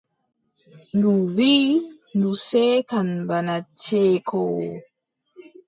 Ndu wiʼi ndu seekan bana ceekoowo.